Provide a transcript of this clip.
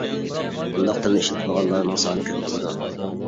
بۇنداق تىلنى ئىشلىتىدىغانلارنىڭ سانى كۆپ بولىدۇ.